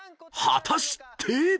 ［果たして］